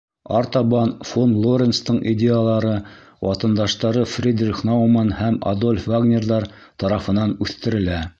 Артабан фон Лоренцтың идеялары ватандаштары Фридрих Науманн һәм Адольф Вагнерҙар тарафынан үҫтерелә.